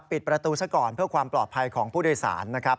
ปิดประตูซะก่อนเพื่อความปลอดภัยของผู้โดยสารนะครับ